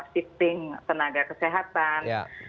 shifting tenaga kesehatan